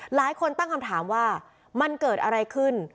หลายคนตั้งคำถามว่ามันเกิดอะไรขึ้น